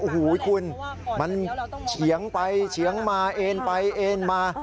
โอ้โหคุณมันเฉียงไปเฉียงมาเอ็นไปเอ็นมา